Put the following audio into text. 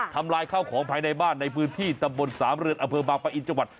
ทำลายข้าวของภายในบ้านในพื้นที่ตำบลสามเรือนอเภอบางปะอินจังหวัด